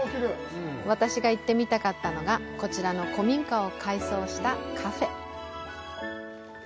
私が行ってみたかったのがこちらの古民家を改装したカフェ。